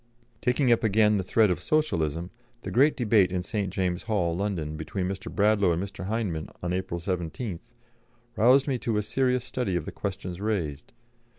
Taking up again the thread of Socialism, the great debate in St. James's Hall, London, between Mr. Bradlaugh and Mr. Hyndman on April 17th, roused me to a serious study of the questions raised.